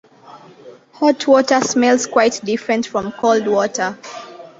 Hot water smells quite different from cold water.